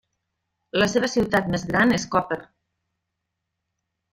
La seva ciutat més gran és Koper.